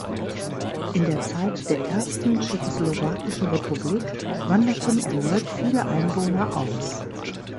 In der Zeit der ersten tschechoslowakischen Republik wanderten erneut viele Einwohner aus.